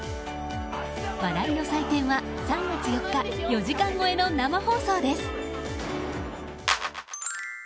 笑いの祭典は３月４日４時間超えの生放送です。